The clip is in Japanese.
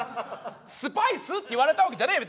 スパイスって言われたわけじゃねえよ